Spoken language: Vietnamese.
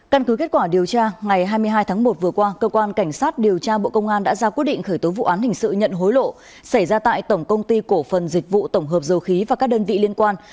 căn cứ kết quả điều tra ngày hai mươi hai tháng một vừa qua cơ quan cảnh sát điều tra bộ công an đã ra quyết định khởi tố vụ án hình sự nhận hối lộ xảy ra tại tổng công ty cổ phần dịch vụ tổng hợp dầu khí và các đơn vị liên quan